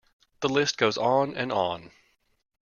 The list goes on and on.